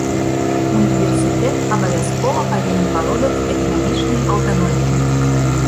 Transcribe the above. Універсітэт абавязкова павінен валодаць эканамічнай аўтаноміяй.